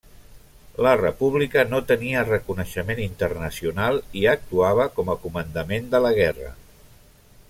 La República no tenia reconeixement internacional i actuava com a comandament de la guerra.